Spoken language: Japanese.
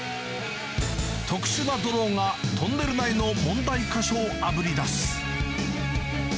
特殊なドローンがトンネル内の問題箇所をあぶり出す。